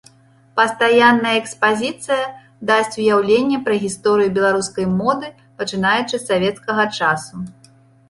Пастаянная экспазіцыя дасць уяўленне пра гісторыю беларускай моды пачынаючы з савецкага часу.